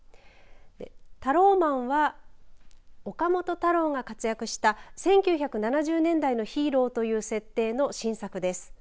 タローマンは岡本太郎が活躍した１９７０年代のヒーローという設定の新作です。